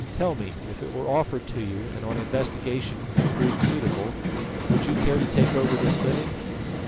Tell me, if it were offered to you, and on investigation you proved suitable, would you care to take over this living?"